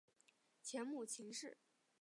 前母秦氏。